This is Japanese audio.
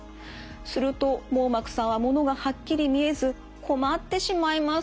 すると網膜さんはものがはっきり見えず困ってしまいます。